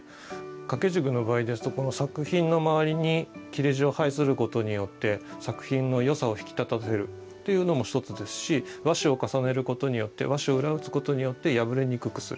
掛け軸の場合ですとこの作品の周りに裂地を配することによって作品のよさを引き立たせるっていうのも一つですし和紙を重ねることによって和紙を裏打つことによって破れにくくする。